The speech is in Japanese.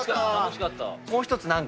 もう１つ何か。